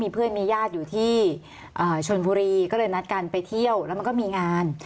เพื่อนมีญาติอยู่ที่ชนบุรีก็เลยนัดกันไปเที่ยวแล้วมันก็มีงาน